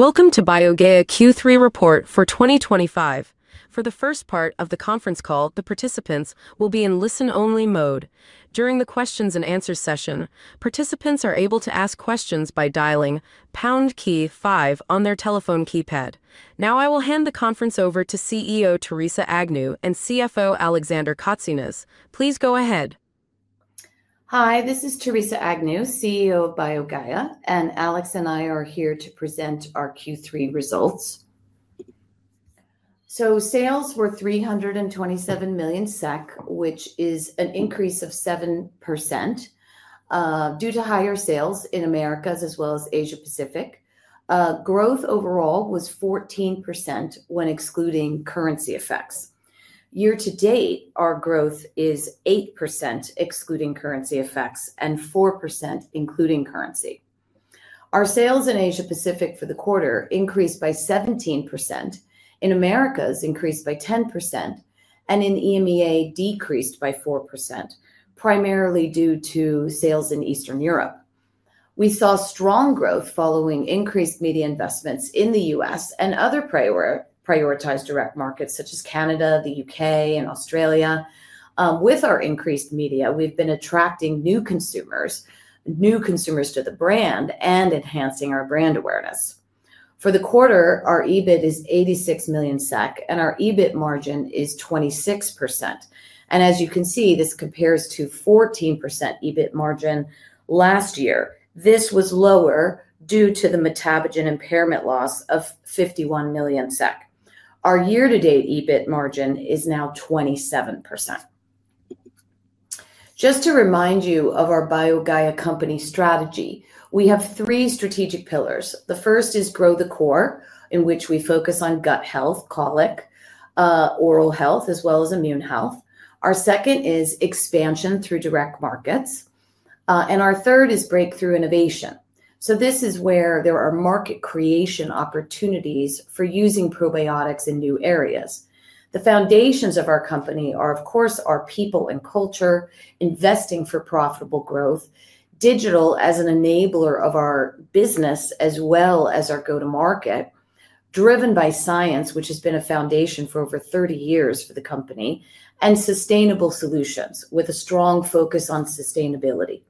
Welcome to BioGaia Q3 report for 2025. For the first part of the conference call, the participants will be in listen-only mode. During the questions and answers session, participants are able to ask questions by dialing pound key five on their telephone keypad. Now, I will hand the conference over to CEO Theresa Agnew and CFO Alexander Kotsinas. Please go ahead. Hi, this is Theresa Agnew, CEO of BioGaia, and Alex and I are here to present our Q3 results. Sales were 327 million SEK, which is an increase of 7% due to higher sales in the Americas as well as Asia Pacific. Growth overall was 14% when excluding currency effects. Year to date, our growth is 8% excluding currency effects and 4% including currency. Our sales in Asia Pacific for the quarter increased by 17%, in the Americas increased by 10%, and in EMEA decreased by 4%, primarily due to sales in Eastern Europe. We saw strong growth following increased media investments in the U.S. and other prioritized direct markets such as Canada, the U.K., and Australia. With our increased media, we've been attracting new consumers to the brand and enhancing our brand awareness. For the quarter, our EBIT is 86 million SEK, and our EBIT margin is 26%. As you can see, this compares to a 14% EBIT margin last year. This was lower due to the metabolism impairment loss of 51 million SEK. Our year-to-date EBIT margin is now 27%. Just to remind you of our BioGaia company strategy, we have three strategic pillars. The first is grow the core, in which we focus on gut health, colic, oral health, as well as immune health. Our second is expansion through direct markets, and our third is breakthrough innovation. This is where there are market creation opportunities for using probiotics in new areas. The foundations of our company are, of course, our people and culture, investing for profitable growth, digital as an enabler of our business as well as our go-to-market, driven by science, which has been a foundation for over 30 years for the company, and sustainable solutions with a strong focus on sustainability.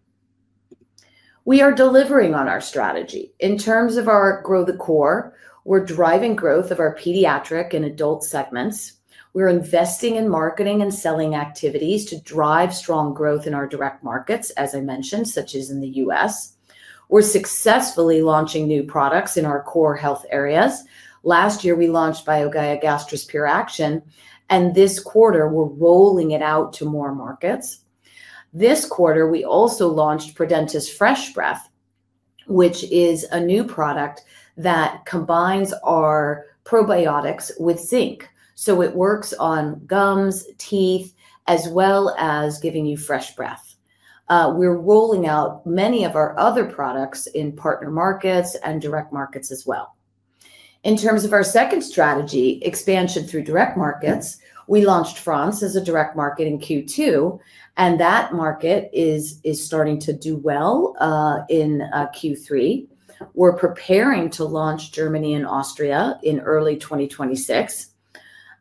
We are delivering on our strategy. In terms of our grow the core, we're driving growth of our pediatric and adult health segments. We're investing in marketing and selling activities to drive strong growth in our direct markets, as I mentioned, such as in the U.S. We're successfully launching new products in our core health areas. Last year, we launched BioGaia Gastrus action capsules, and this quarter, we're rolling it out to more markets. This quarter, we also launched ProDentis Fresh Breath, which is a new product that combines our probiotics with zinc. It works on gums, teeth, as well as giving you fresh breath. We're rolling out many of our other products in partner markets and direct markets as well. In terms of our second strategy, expansion through direct markets, we launched France as a direct market in Q2, and that market is starting to do well in Q3. We're preparing to launch Germany and Austria in early 2026.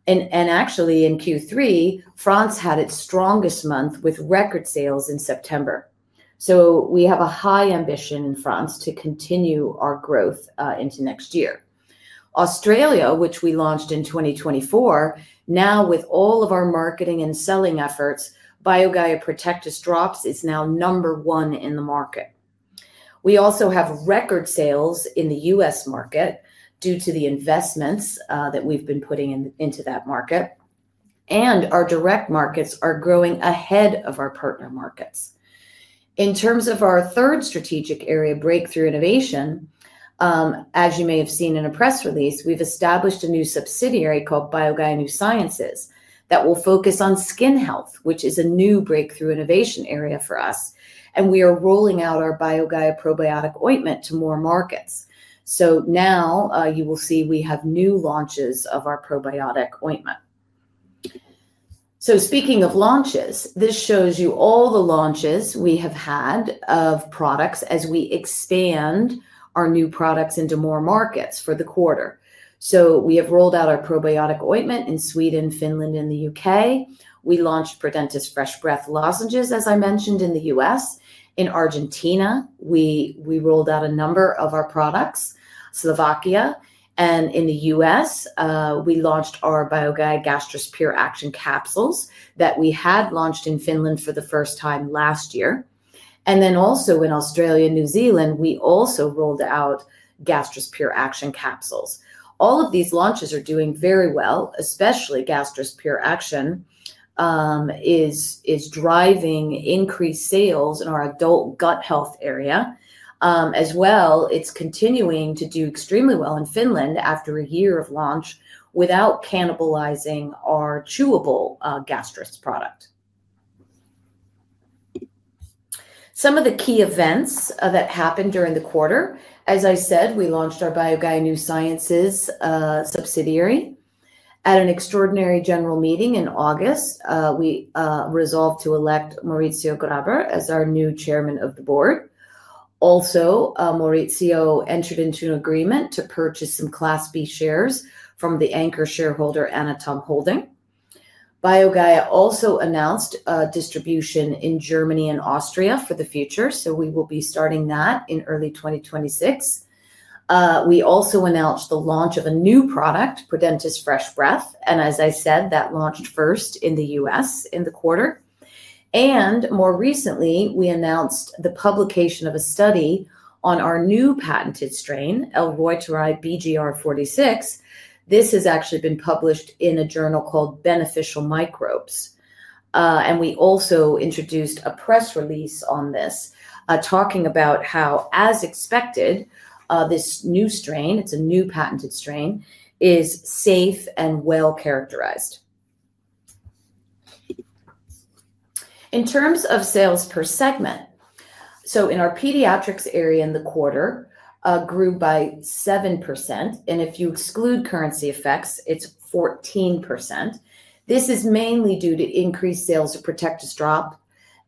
Actually, in Q3, France had its strongest month with record sales in September. We have a high ambition in France to continue our growth into next year. Australia, which we launched in 2024, now with all of our marketing and selling efforts, BioGaia Protectis Drops is now number one in the market. We also have record sales in the U.S. market due to the investments that we've been putting into that market. Our direct markets are growing ahead of our partner markets. In terms of our third strategic area, breakthrough innovation, as you may have seen in a press release, we've established a new subsidiary called BioGaia New Sciences that will focus on skin health, which is a new breakthrough innovation area for us. We are rolling out our BioGaia probiotic ointment to more markets. Now you will see we have new launches of our probiotic ointment. Speaking of launches, this shows you all the launches we have had of products as we expand our new products into more markets for the quarter. We have rolled out our probiotic ointment in Sweden, Finland, and the U.K. We launched ProDentis Fresh Breath lozenges, as I mentioned, in the U.S. In Argentina, we rolled out a number of our products. Slovakia, and in the U.S., we launched our BioGaia GastroSphere Action capsules that we had launched in Finland for the first time last year. Also in Australia and New Zealand, we rolled out GastroSphere Action capsules. All of these launches are doing very well, especially GastroSphere Action is driving increased sales in our adult gut health area. As well, it's continuing to do extremely well in Finland after a year of launch without cannibalizing our chewable Gastrus product. Some of the key events that happened during the quarter, as I said, we launched our BioGaia New Sciences subsidiary at an extraordinary general meeting in August. We resolved to elect Maurizio Graber as our new Chairman of the Board. Also, Maurizio entered into an agreement to purchase some class B shares from the anchor shareholder Anatom Holding. BioGaia also announced distribution in Germany and Austria for the future, so we will be starting that in early 2026. We also announced the launch of a new product, ProDentis Fresh Breath, and as I said, that launched first in the U.S. in the quarter. More recently, we announced the publication of a study on our new patented strain, L. reuteri BGR46. This has actually been published in a journal called Beneficial Microbes. We also introduced a press release on this, talking about how, as expected, this new strain, it's a new patented strain, is safe and well characterized. In terms of sales per segment, in our pediatric area in the quarter, it grew by 7%, and if you exclude currency effects, it's 14%. This is mainly due to increased sales of Protectis drops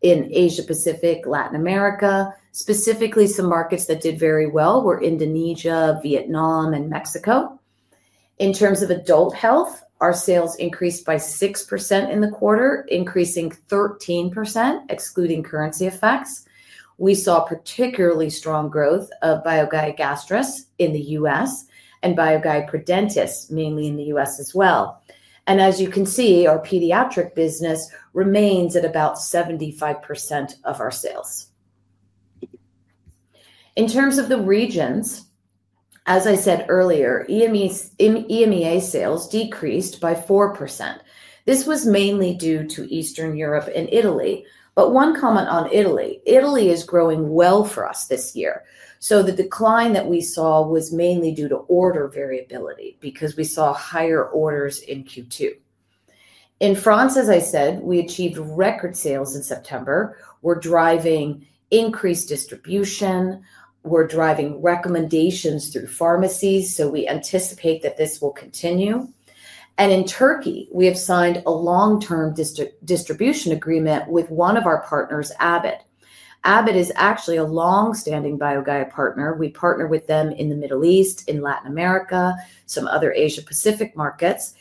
in Asia Pacific and Latin America. Specifically, some markets that did very well were Indonesia, Vietnam, and Mexico. In terms of adult health, our sales increased by 6% in the quarter, increasing 13% excluding currency effects. We saw particularly strong growth of BioGaia Gastrus in the U.S. and BioGaia ProDentis mainly in the U.S. as well. As you can see, our pediatric business remains at about 75% of our sales. In terms of the regions, as I said earlier, EMEA sales decreased by 4%. This was mainly due to Eastern Europe and Italy. One comment on Italy: Italy is growing well for us this year. The decline that we saw was mainly due to order variability because we saw higher orders in Q2. In France, as I said, we achieved record sales in September. We're driving increased distribution and recommendations through pharmacies, so we anticipate that this will continue. In Turkey, we have signed a long-term distribution agreement with one of our partners, Abbott. Abbott is actually a longstanding BioGaia partner. We partner with them in the Middle East, in Latin America, and some other Asia Pacific markets.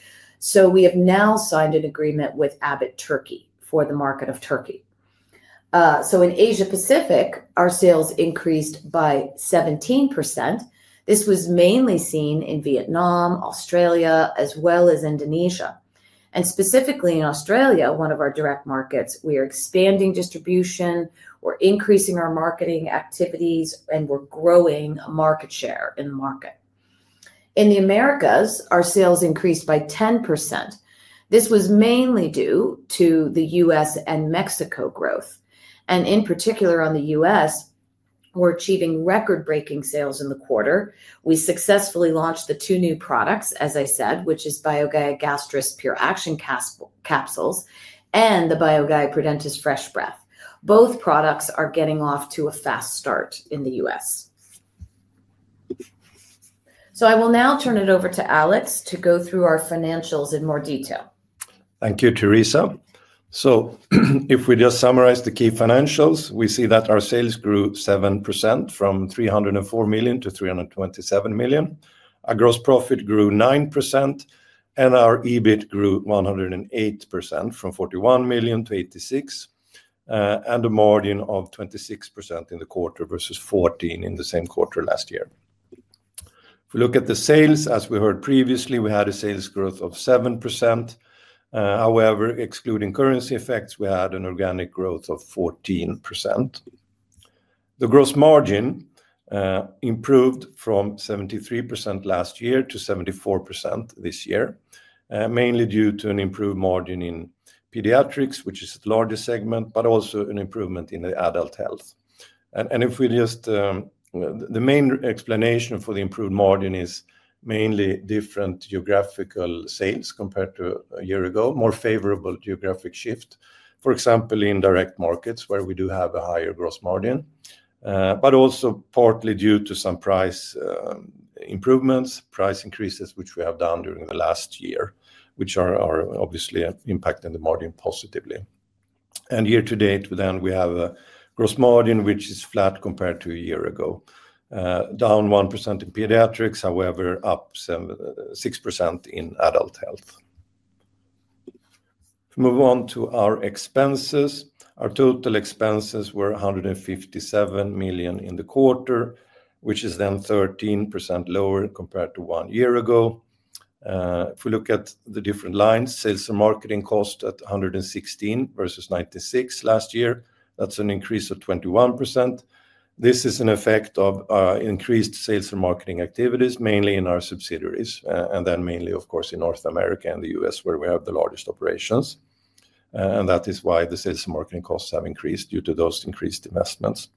We have now signed an agreement with Abbott Turkey for the market of Turkey. In Asia Pacific, our sales increased by 17%. This was mainly seen in Vietnam, Australia, as well as Indonesia. Specifically in Australia, one of our direct markets, we are expanding distribution, increasing our marketing activities, and growing market share in the market. In the Americas, our sales increased by 10%. This was mainly due to the U.S. and Mexico growth. In particular, on the U.S., we're achieving record-breaking sales in the quarter. We successfully launched the two new products, as I said, which are BioGaia GastroSphere Action capsules and the BioGaia ProDentis Fresh Breath. Both products are getting off to a fast start in the U.S. I will now turn it over to Alex to go through our financials in more detail. Thank you, Theresa. If we just summarize the key financials, we see that our sales grew 7% from 304 million-327 million. Our gross profit grew 9%, and our EBIT grew 108% from 41 million-86 million, and a margin of 26% in the quarter versus 14% in the same quarter last year. If we look at the sales, as we heard previously, we had a sales growth of 7%. However, excluding currency effects, we had an organic growth of 14%. The gross margin improved from 73% last year to 74% this year, mainly due to an improved margin in pediatrics, which is the largest segment, but also an improvement in the adult health. The main explanation for the improved margin is mainly different geographical sales compared to a year ago, more favorable geographic shift, for example, in direct markets where we do have a higher gross margin, but also partly due to some price improvements, price increases, which we have done during the last year, which are obviously impacting the margin positively. Year to date, then we have a gross margin which is flat compared to a year ago, down 1% in pediatrics, however, up 6% in adult health. If we move on to our expenses, our total expenses were 157 million in the quarter, which is then 13% lower compared to one year ago. If we look at the different lines, sales and marketing cost at 116 million versus 96 million last year, that's an increase of 21%. This is an effect of increased sales and marketing activities, mainly in our subsidiaries, and then mainly, of course, in North America and the U.S. where we have the largest operations. That is why the sales and marketing costs have increased due to those increased investments.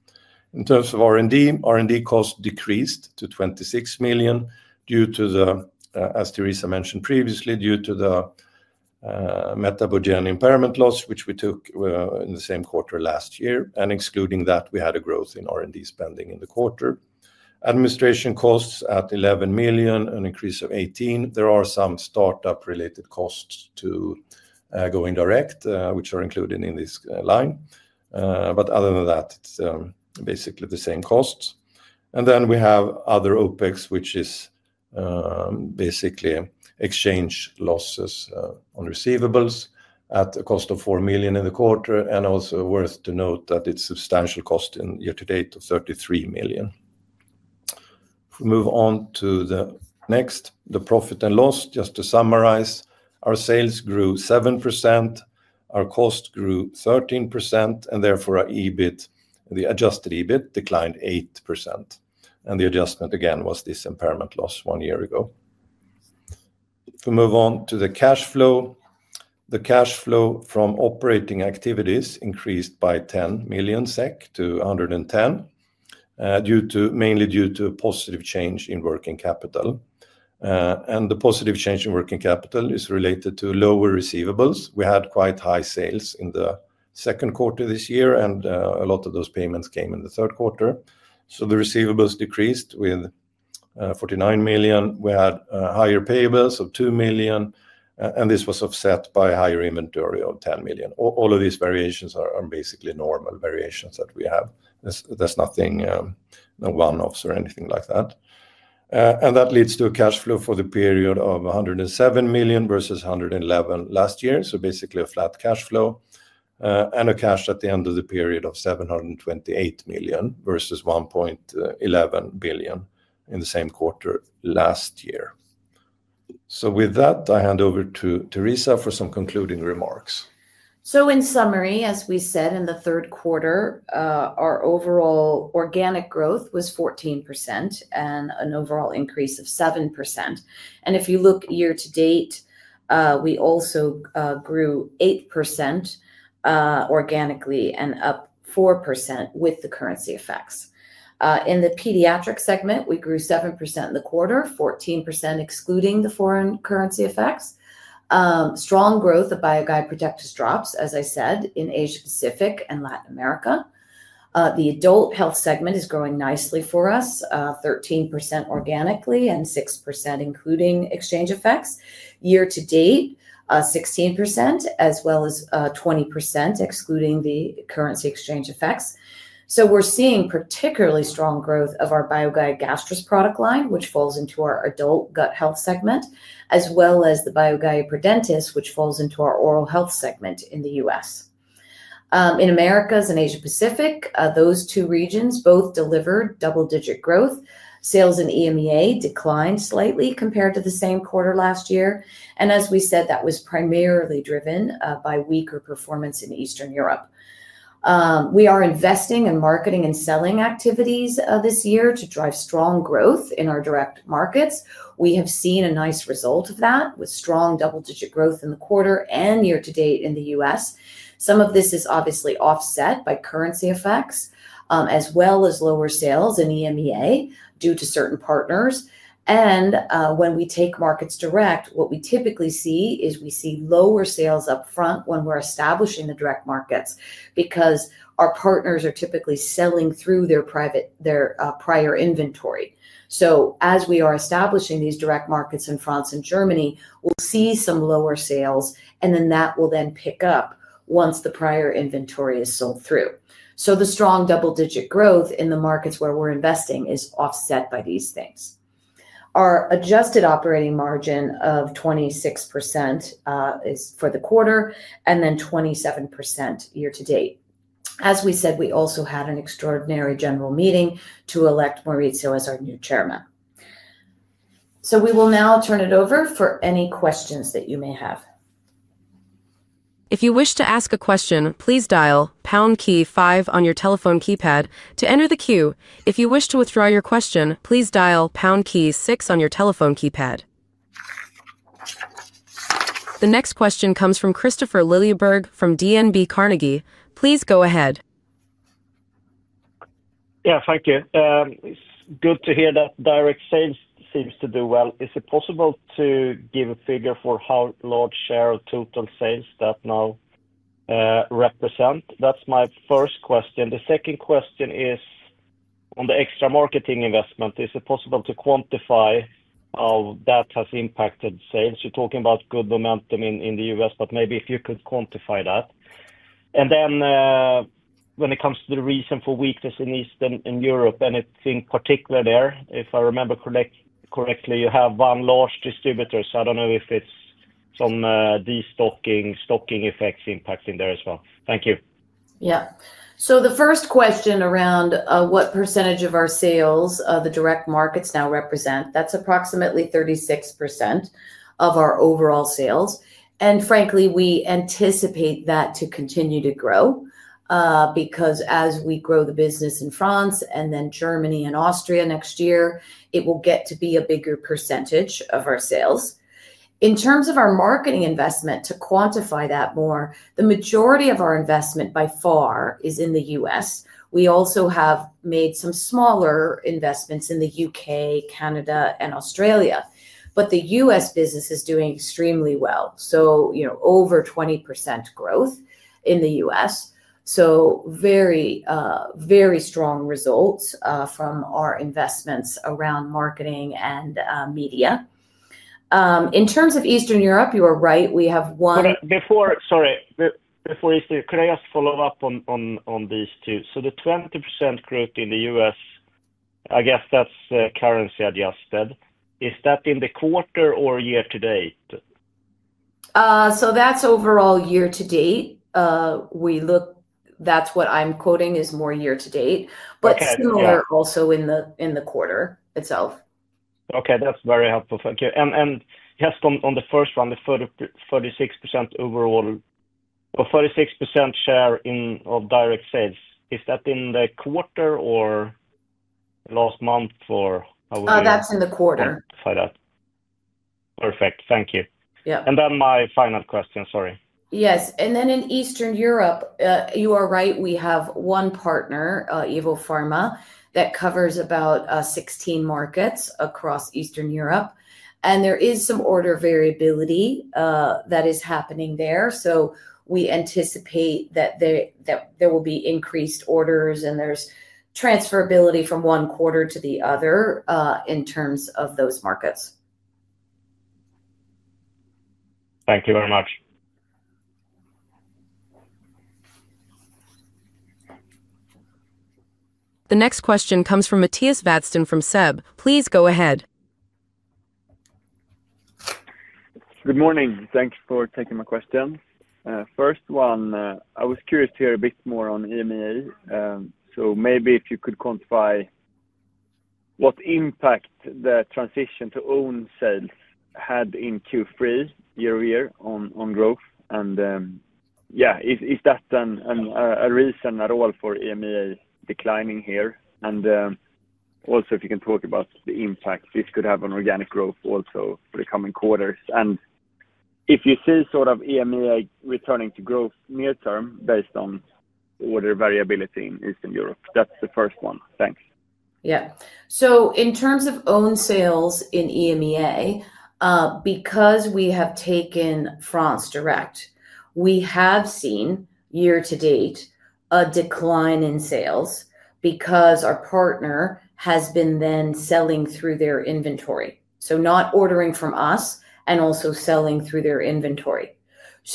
In terms of R&D, R&D costs decreased to 26 million, as Theresa mentioned previously, due to the metabolism impairment loss, which we took in the same quarter last year. Excluding that, we had a growth in R&D spending in the quarter. Administration costs at 11 million, an increase of 18%. There are some startup-related costs to going direct, which are included in this line. Other than that, it's basically the same costs. We have other OpEx, which is basically exchange losses on receivables at a cost of 4 million in the quarter. Also worth to note that it's a substantial cost in year to date of 33 million. If we move on to the next, the profit and loss, just to summarize, our sales grew 7%, our cost grew 13%, and therefore our EBIT, the adjusted EBIT declined 8%. The adjustment again was this impairment loss one year ago. If we move on to the cash flow, the cash flow from operating activities increased by 10 million SEK to 110 million, mainly due to a positive change in working capital. The positive change in working capital is related to lower receivables. We had quite high sales in the second quarter this year, and a lot of those payments came in the third quarter. The receivables decreased by 49 million. We had higher payables of 2 million, and this was offset by a higher inventory of 10 million. All of these variations are basically normal variations that we have. There is nothing, no one-offs or anything like that. That leads to a cash flow for the period of 107 million versus 111 million last year. Basically a flat cash flow and a cash at the end of the period of 728 million versus 1.11 billion in the same quarter last year. With that, I hand over to Theresa for some concluding remarks. In summary, as we said in the third quarter, our overall organic growth was 14% and an overall increase of 7%. If you look year to date, we also grew 8% organically and up 4% with the currency effects. In the pediatric segment, we grew 7% in the quarter, 14% excluding the foreign currency effects. Strong growth of BioGaia Protectis Drops, as I said, in Asia Pacific and Latin America. The adult health segment is growing nicely for us, 13% organically and 6% including exchange effects. Year to date, 16% as well as 20% excluding the currency exchange effects. We are seeing particularly strong growth of our BioGaia Gastrus product line, which falls into our adult gut health segment, as well as the BioGaia ProDentis, which falls into our oral health segment in the U.S. In Americas and Asia Pacific, those two regions both delivered double-digit growth. Sales in EMEA declined slightly compared to the same quarter last year. That was primarily driven by weaker performance in Eastern Europe. We are investing in marketing and selling activities this year to drive strong growth in our direct markets. We have seen a nice result of that with strong double-digit growth in the quarter and year to date in the U.S. Some of this is obviously offset by currency effects, as well as lower sales in EMEA due to certain partners. When we take markets direct, what we typically see is we see lower sales up front when we're establishing the direct markets because our partners are typically selling through their prior inventory. As we are establishing these direct markets in France and Germany, we'll see some lower sales, and then that will then pick up once the prior inventory is sold through. The strong double-digit growth in the markets where we're investing is offset by these things. Our adjusted operating margin of 26% is for the quarter and then 27% year to date. As we said, we also had an extraordinary general meeting to elect Maurizio Graber as our new Chairman. We will now turn it over for any questions that you may have. If you wish to ask a question, please dial pound key five on your telephone keypad to enter the queue. If you wish to withdraw your question, please dial pound key six on your telephone keypad. The next question comes from Kristofer Liljeberg from DNB Carnegie. Please go ahead. Yes, thank you. It's good to hear that direct sales seem to do well. Is it possible to give a figure for how large share of total sales that now represent? That's my first question. The second question is on the extra marketing investment. Is it possible to quantify how that has impacted sales? You're talking about good momentum in the U.S., but maybe if you could quantify that. When it comes to the reason for weakness in Eastern Europe, anything particular there? If I remember correctly, you have one large distributor, so I don't know if it's some destocking stocking effects impacting there as well. Thank you. Yeah. The first question around what percentage of our sales the direct markets now represent, that's approximately 36% of our overall sales. Frankly, we anticipate that to continue to grow because as we grow the business in France and then Germany and Austria next year, it will get to be a bigger percentage of our sales. In terms of our marketing investment, to quantify that more, the majority of our investment by far is in the U.S. We also have made some smaller investments in the U.K., Canada, and Australia. The U.S. business is doing extremely well. Over 20% growth in the U.S., so very, very strong results from our investments around marketing and media. In terms of Eastern Europe, you are right. We have one. Before you say, could I just follow up on these two? The 20% growth in the U.S., I guess that's currency adjusted. Is that in the quarter or year to date? That's overall year to date. What I'm quoting is more year to date, but similar also in the quarter itself. Okay, that's very helpful. Thank you. Just on the first one, the 36% overall or 36% share in direct sales, is that in the quarter or last month or however? That's in the quarter. Perfect. Thank you. My final question, sorry. Yes. In Eastern Europe, you are right. We have one partner, Evo Pharma, that covers about 16 markets across Eastern Europe. There is some order variability that is happening there. We anticipate that there will be increased orders and there's transferability from one quarter to the other in terms of those markets. Thank you very much. The next question comes from Mattias Vadsten from SEB. Please go ahead. Good morning. Thanks for taking my question. First one, I was curious to hear a bit more on EMEA. Maybe if you could quantify what impact the transition to own sales had in Q3 year-over-year on growth. Is that a reason, a role for EMEA declining here? Also, if you can talk about the impact this could have on organic growth for the coming quarters. If you see sort of EMEA returning to growth near-term based on order variability in Eastern Europe, that's the first one. Thanks. Yeah. In terms of own sales in EMEA, because we have taken France direct, we have seen year to date a decline in sales because our partner has been then selling through their inventory, so not ordering from us and also selling through their inventory.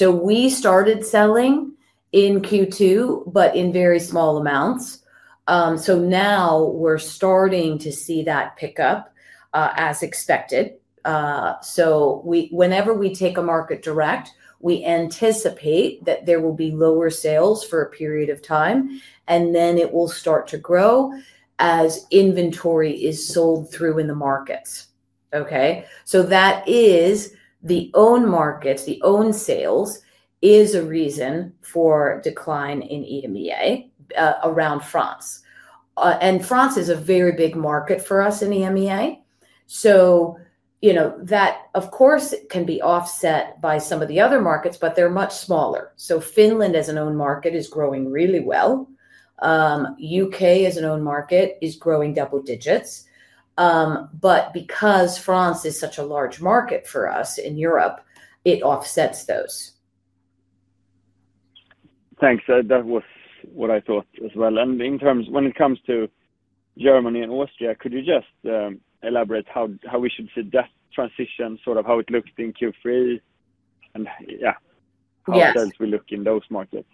We started selling in Q2, but in very small amounts. Now we're starting to see that pick up as expected. Whenever we take a market direct, we anticipate that there will be lower sales for a period of time, and then it will start to grow as inventory is sold through in the markets. That is the own markets, the own sales is a reason for decline in EMEA around France. France is a very big market for us in EMEA. That of course can be offset by some of the other markets, but they're much smaller. Finland, as an own market, is growing really well. U.K., as an own market, is growing double digits. Because France is such a large market for us in Europe, it offsets those. Thanks. That was what I thought as well. In terms of Germany and Austria, could you just elaborate how we should see that transition, sort of how it looked in Q3, and how does it look in those markets?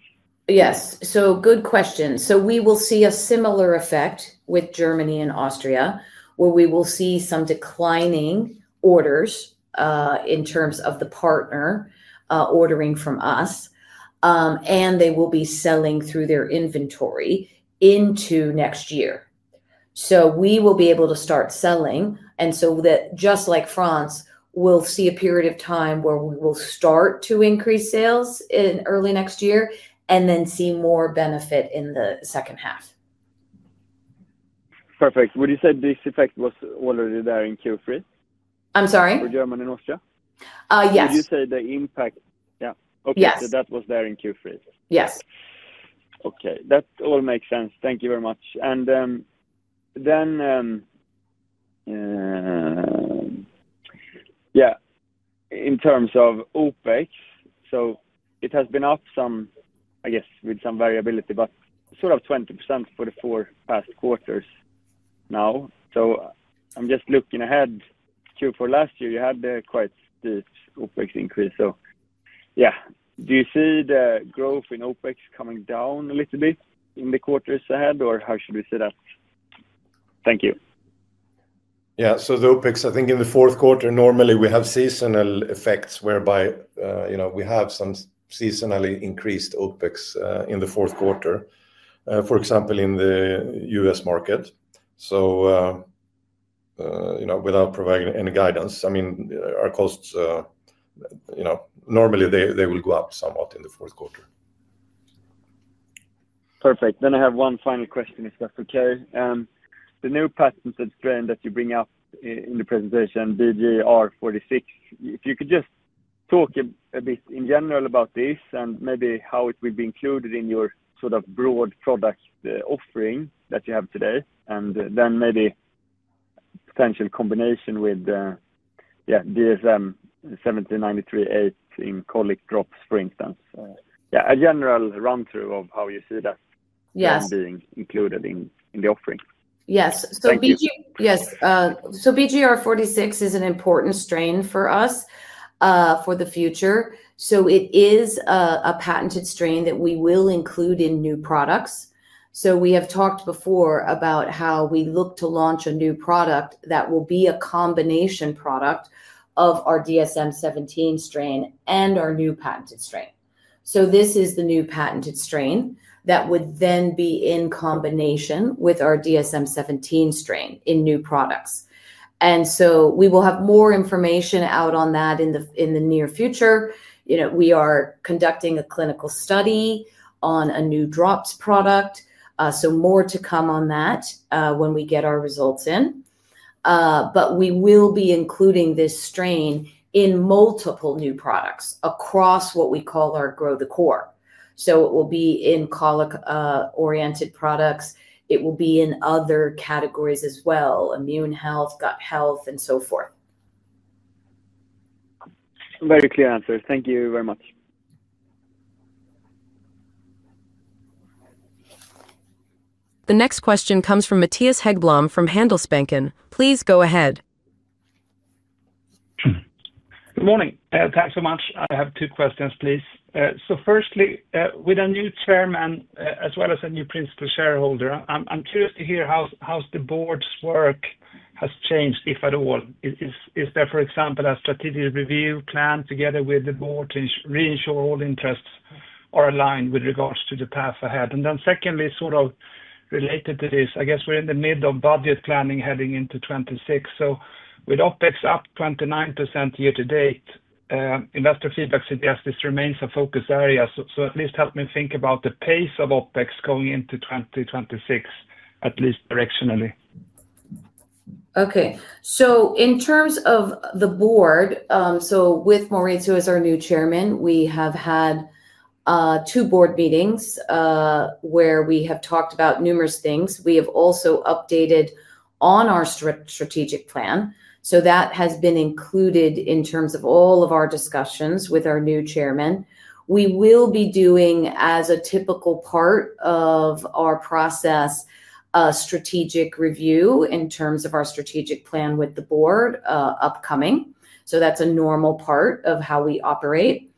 Yes. Good question. We will see a similar effect with Germany and Austria, where we will see some declining orders in terms of the partner ordering from us, and they will be selling through their inventory into next year. We will be able to start selling. Just like France, we'll see a period of time where we will start to increase sales in early next year and then see more benefit in the second half. Perfect. Would you say this effect was already there in Q3? I'm sorry? For Germany and Austria? Yes. Would you say the impact? Okay. That was there in Q3. Yes. Okay. That all makes sense. Thank you very much. In terms of OpEx, it has been up some, I guess, with some variability, but sort of 20% for the four past quarters now. I'm just looking ahead. Q4 last year, you had quite a steep OpEx increase. Do you see the growth in OpEx coming down a little bit in the quarters ahead, or how should we see that? Thank you. Yeah. The OpEx, I think in the fourth quarter, normally we have seasonal effects whereby we have some seasonally increased OpEx in the fourth quarter, for example, in the U.S. market. Without providing any guidance, I mean, our costs, normally they will go up somewhat in the fourth quarter. Perfect. I have one final question, if that's okay. The new patent, that strain that you bring up in the presentation, L. reuteri BGR46, if you could just talk a bit in general about this and maybe how it would be included in your sort of broad product offering that you have today, and then maybe a potential combination with, yeah, DSM 17938 in Colic Drops, for instance. A general run-through of how you see that being included in the offering. Yes. BGR46 is an important strain for us for the future. It is a patented strain that we will include in new products. We have talked before about how we look to launch a new product that will be a combination product of our DSM 17 strain and our new patented strain. This is the new patented strain that would then be in combination with our DSM 17 strain in new products. We will have more information out on that in the near future. We are conducting a clinical study on a new dropped product. More to come on that when we get our results in. We will be including this strain in multiple new products across what we call our grow the core. It will be in colic-oriented products. It will be in other categories as well, immune health, gut health, and so forth. Very clear answer. Thank you very much. The next question comes from Matthias Hegblom from Handelsbanken. Please go ahead. Good morning. Thanks so much. I have two questions, please. Firstly, with a new Chairman as well as a new principal shareholder, I'm curious to hear how the board's work has changed, if at all. Is there, for example, a strategic review plan together with the board to reassure all interests are aligned with regards to the path ahead? Secondly, sort of related to this, I guess we're in the middle of budget planning heading into 2026. With OpEx up 29% year to date, investor feedback suggests this remains a focus area. At least help me think about the pace of OpEx going into 2026, at least directionally. Okay. In terms of the board, with Maurizio as our new Chairman, we have had two board meetings where we have talked about numerous things. We have also updated on our strategic plan. That has been included in all of our discussions with our new Chairman. We will be doing, as a typical part of our process, a strategic review in terms of our strategic plan with the board upcoming. That is a normal part of how we operate.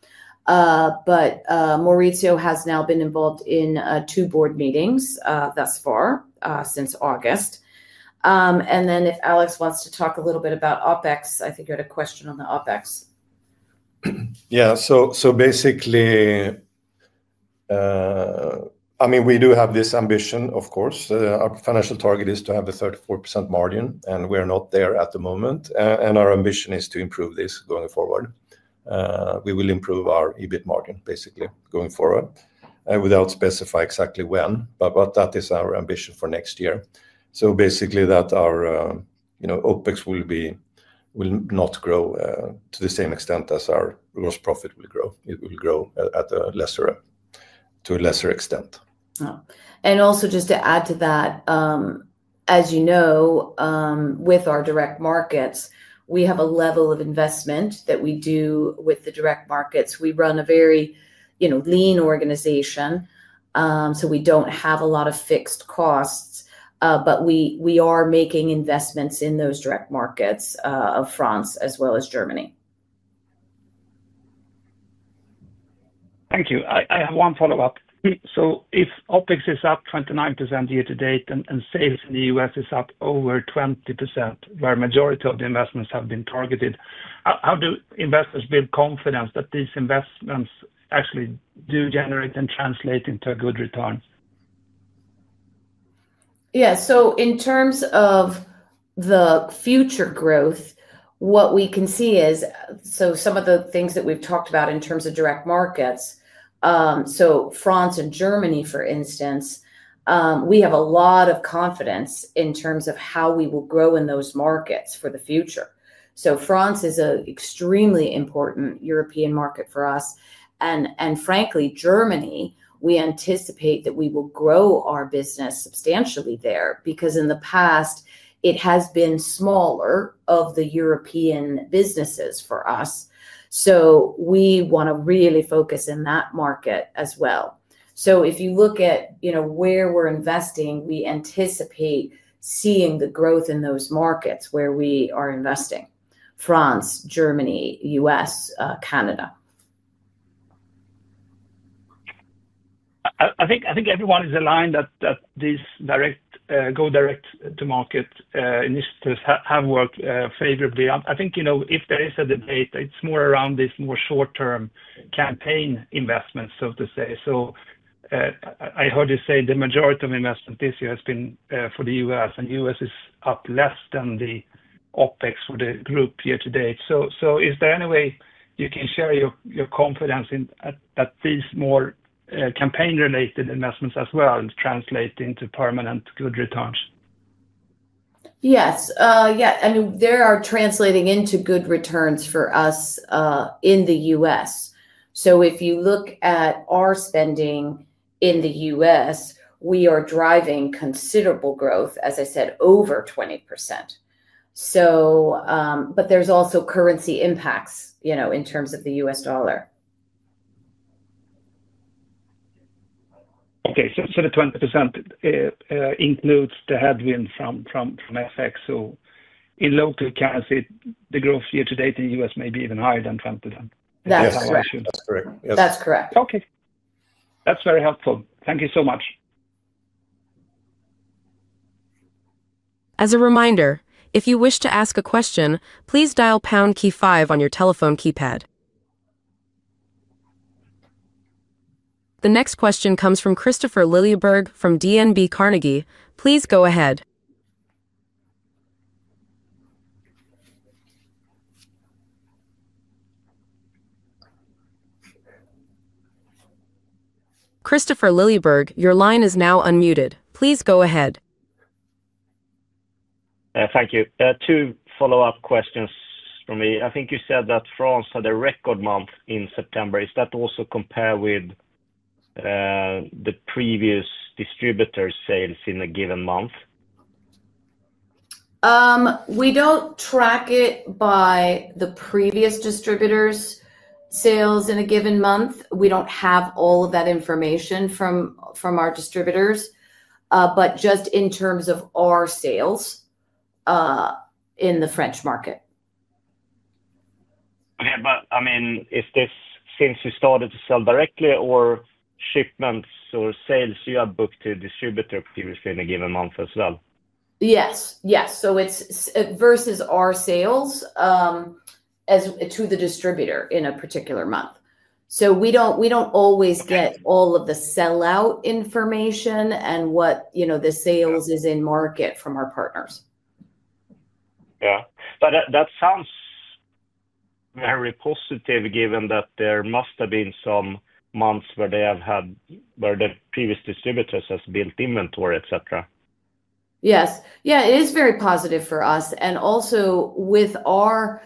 Maurizio has now been involved in two board meetings thus far since August. If Alex wants to talk a little bit about OpEx, I think you had a question on the OpEx. Yeah. Basically, I mean, we do have this ambition, of course. Our financial target is to have a 34% margin, and we're not there at the moment. Our ambition is to improve this going forward. We will improve our EBIT margin, basically, going forward without specifying exactly when, but that is our ambition for next year. Basically, our OpEx will not grow to the same extent as our gross profit will grow. It will grow to a lesser extent. Also, just to add to that, as you know, with our direct markets, we have a level of investment that we do with the direct markets. We run a very lean organization, so we don't have a lot of fixed costs, but we are making investments in those direct markets of France as well as Germany. Thank you. I have one follow-up. If OpEx is up 29% year to date and sales in the U.S. is up over 20%, where a majority of the investments have been targeted, how do investors build confidence that these investments actually do generate and translate into a good return? Yeah. In terms of the future growth, what we can see is, some of the things that we've talked about in terms of direct markets, France and Germany, for instance, we have a lot of confidence in terms of how we will grow in those markets for the future. France is an extremely important European market for us. Frankly, Germany, we anticipate that we will grow our business substantially there because in the past, it has been smaller of the European businesses for us. We want to really focus in that market as well. If you look at where we're investing, we anticipate seeing the growth in those markets where we are investing: France, Germany, U.S., Canada. I think everyone is aligned that these go direct-to-market initiatives have worked favorably. I think if there is a debate, it's more around this more short-term campaign investment, to say. I heard you say the majority of investment this year has been for the U.S., and the U.S. is up less than the OpEx for the group year to date. Is there any way you can share your confidence in that these more campaign-related investments as well translate into permanent good returns? Yes. I mean, they are translating into good returns for us in the U.S. If you look at our spending in the U.S., we are driving considerable growth, as I said, over 20%. There are also currency impacts in terms of the U.S. dollar. Okay. The 20% includes the headwind from FX. In local accounts, the growth year to date in the U.S. may be even higher than 20%. That's correct. That's correct. Okay. That's very helpful. Thank you so much. As a reminder, if you wish to ask a question, please dial pound key five on your telephone keypad. The next question comes from Kristofer Liljeberg from DNB Carnegie. Please go ahead. Kristofer Liljeberg, your line is now unmuted. Please go ahead. Thank you. Two follow-up questions from me. I think you said that France had a record month in September. Is that also compared with the previous distributor's sales in a given month? We don't track it by the previous distributor's sales in a given month. We don't have all of that information from our distributors, but just in terms of our sales in the French market. Yeah, is this since you started to sell directly, or shipments or sales you have booked to a distributor previously in a given month as well? Yes. Yes. It is versus our sales to the distributor in a particular month. We do not always get all of the sellout information and what the sales is in market from our partners. Yeah, that sounds very positive given that there must have been some months where they have had where the previous distributors have built inventory, etc. Yes, it is very positive for us. With our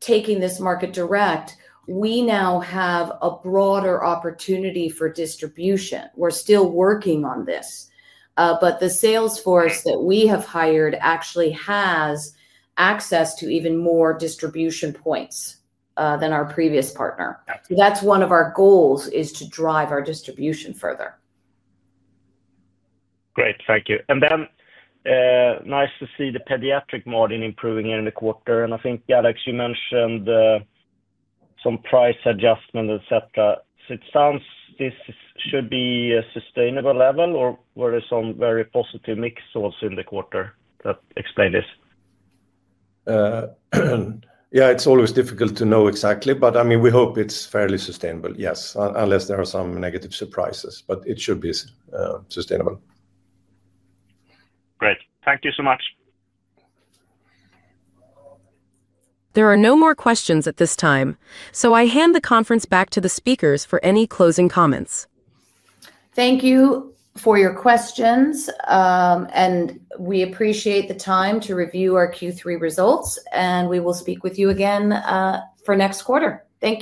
taking this market direct, we now have a broader opportunity for distribution. We are still working on this, but the sales force that we have hired actually has access to even more distribution points than our previous partner. That is one of our goals, to drive our distribution further. Great. Thank you. Nice to see the pediatric margin improving in the quarter. I think, Alex, you mentioned some price adjustment, etc. It sounds this should be a sustainable level or was it a very positive mix also in the quarter that explains this. Yeah, it's always difficult to know exactly, but I mean, we hope it's fairly sustainable, yes, unless there are some negative surprises. It should be sustainable. Great. Thank you so much. There are no more questions at this time. I hand the conference back to the speakers for any closing comments. Thank you for your questions. We appreciate the time to review our Q3 results. We will speak with you again for next quarter. Thank you.